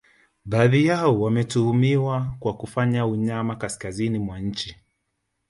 Baadhi yao wametuhumiwa kwa kufanya unyama kaskazini mwa nchi